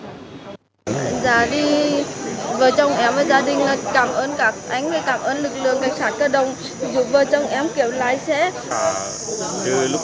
giá đi vợ chồng em và gia đình cảm ơn cả anh cảm ơn lực lượng cảnh sát cơ động giúp vợ chồng em kiểu lái xe